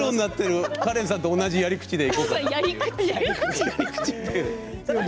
カレンさんと同じやり口ですけど。